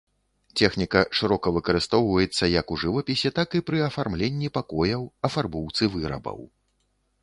Тэхніка шырока выкарыстоўваецца як у жывапісе, так і пры афармленні пакояў, афарбоўцы вырабаў.